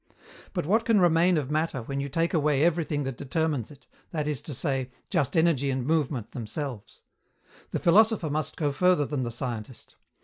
But what can remain of matter when you take away everything that determines it, that is to say, just energy and movement themselves? The philosopher must go further than the scientist.